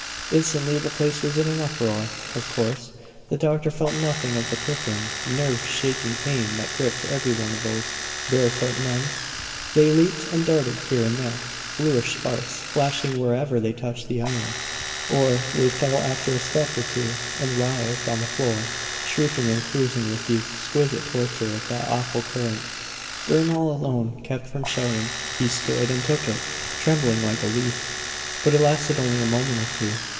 Instantly the place was in an uproar. Of course, the doctor felt nothing of the prickling, nerve shaking pain that gripped every one of those barefoot men. They leaped and darted here and there, bluish sparks flashing wherever they touched the iron; or they fell after a step or two and writhed on the floor, shrieking and cursing with the exquisite torture of that awful current. Ernol alone kept from shouting; he stood and took it, trembling like a leaf. But it lasted only a moment or two.